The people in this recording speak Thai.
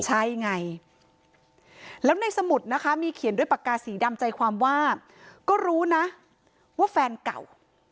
ใช่ไงแล้วในสมุดนะคะมีเขียนด้วยปากกาสีดำใจความว่าก็รู้นะว่าแฟนเก่า